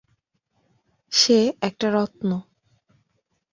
সে একটা রত্ন!